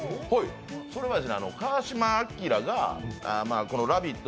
それが川島明が「ラヴィット！」